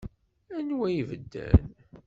Anwa i ibedden?